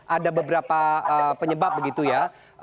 ada beberapa penyebab begitu ya